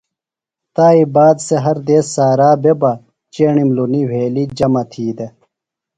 تایئ باد سےۡ ہر دیس سارا بےۡ بہ چیݨیم لُنی وھیلیۡ جمع تھی دےۡ۔